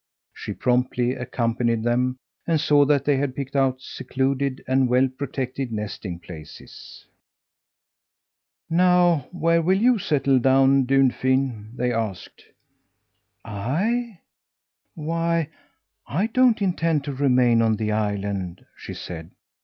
She promptly accompanied them, and saw that they had picked out secluded and well protected nesting places. "Now where will you settle down, Dunfin?" they asked. "I? Why I don't intend to remain on the island," she said.